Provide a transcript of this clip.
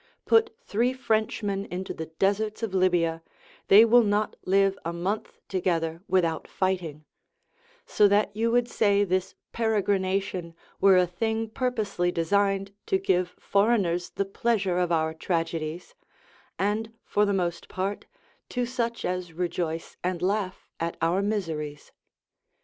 Put three Frenchmen into the deserts of Libya, they will not live a month together without fighting; so that you would say this peregrination were a thing purposely designed to give foreigners the pleasure of our tragedies, and, for the most part, to such as rejoice and laugh at our miseries.